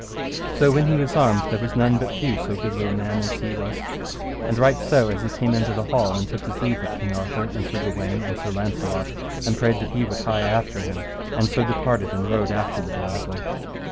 So when he was armed there was none but few so goodly a man as he was; and right so as he came into the hall and took his leave of King Arthur, and Sir Gawaine, and Sir Launcelot, and prayed that he would hie after him, and so departed and rode after the damosel.